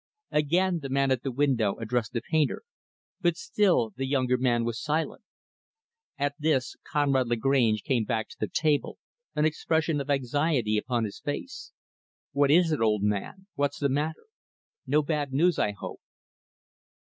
Again, the man at the window addressed the painter; but still the younger man was silent. At this, Conrad Lagrange came back to the table; an expression of anxiety upon his face. "What is it, old man? What's the matter? No bad news, I hope?"